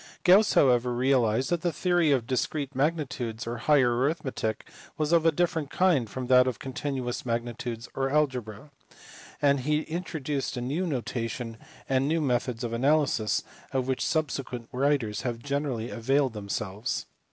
Gauss however realized that the theory of discrete magnitudes or higher arithmetic was of a different kind from that of continuous magnitudes or algebra, and he introduced a new notation and new methods of analysis of which subsequent writers have generally availed themselves.